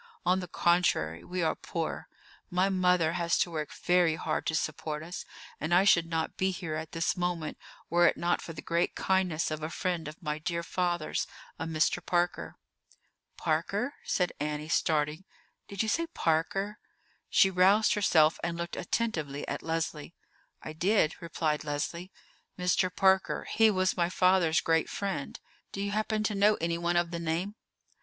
On the contrary, we are poor. My mother has to work very hard to support us; and I should not be here at this moment were it not for the great kindness of a friend of my dear father's, a Mr. Parker." "Parker?" said Annie, starting; "did you say Parker?" She roused herself and looked attentively at Leslie. "I did," replied Leslie. "Mr. Parker—he was my father's great friend. Do you happen to know anyone of the name?"